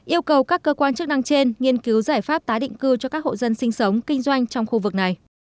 yêu cầu các cơ quan chức năng trên nghiên cứu giải pháp tái định cư cho các hộ dân sinh sống kinh doanh trong khu vực này